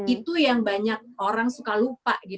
itu yang banyak orang suka lupa